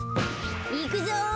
いくぞ！